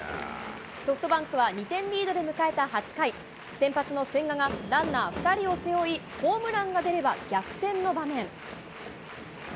ソフトバンクは２点リードで迎えた８回、先発の千賀がランナー２人を背負い、ホームランが出れば逆転の場面。